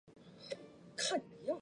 选管会将启德重新分划选区。